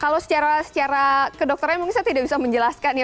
kalau secara kedokteran mungkin saya tidak bisa menjelaskan ya